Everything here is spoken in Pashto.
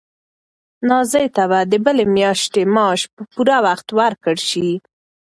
نازیې ته به د بلې میاشتې معاش په پوره وخت ورکړل شي.